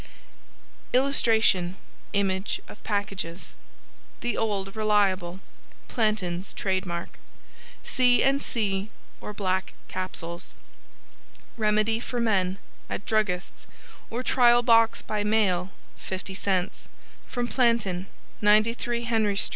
[Illustration: Image of packages.] "The Old Reliable" Planten's (Trade Mark) C&C or Black Capsules REMEDY FOR MEN AT DRUGGISTS, OR TRIAL BOX BY MAIL 50c FROM PLANTEN, 93 HENRY ST.